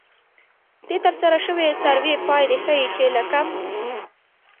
د ترسره شوې سروې پایلې ښيي چې له کم